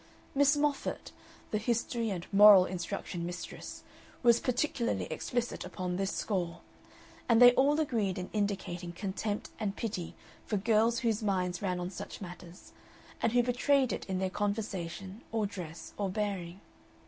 Miss Moffatt, the history and moral instruction mistress, was particularly explicit upon this score, and they all agreed in indicating contempt and pity for girls whose minds ran on such matters, and who betrayed it in their conversation or dress or bearing.